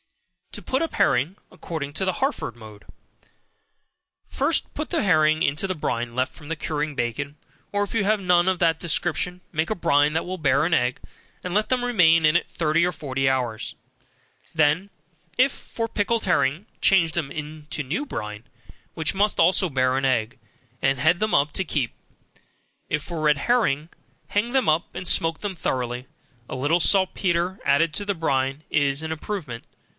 To Put up Herring, According to the Harford Mode. First put the herring into the brine left from curing bacon, or, if you have none of that description, make a brine that will bear an egg, and let them remain in it thirty or forty hours; then, if for pickled herring, change them into new brine, which must also bear an egg, and head them up to keep. If for red herring, hang them up, and smoke them thoroughly. A little saltpetre, added to the brine, is an improvement.